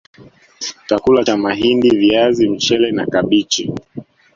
Chakula cha mahindi viazi mchele na kabichi